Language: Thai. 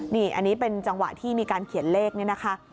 นี่อันนี้เป็นจังหวะที่มีการเขียนเลขนี่นะคะ